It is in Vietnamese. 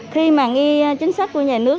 khi mà nghi chính sách của nhà nước